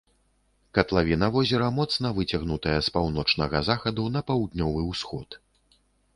Катлавіна возера моцна выцягнутая з паўночнага захаду на паўднёвы ўсход.